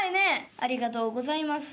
「ありがとうございます。